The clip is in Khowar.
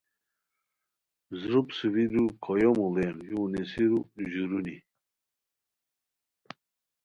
زروپ سوئیرو کھویو موڑین یُو نیسرو ژورونی